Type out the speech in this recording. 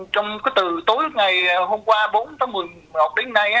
trong cái từ tối hôm qua bốn tháng một mươi một đến nay